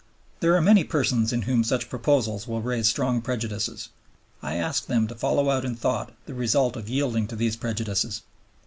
There are many persons in whom such proposals will raise strong prejudices. I ask them to follow out in thought the result of yielding to these prejudices.